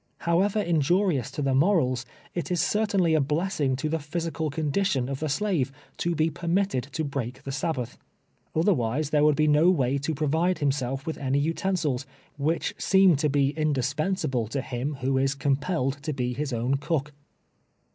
However injurious to the morals, it is certainly a blessing to the physical condition of the slave, to be permitted to break the Sabbath. Otherwise there would be no way to provide him self with any utensils, which seem to be indispensa ble to him who is compelled to be his own cook.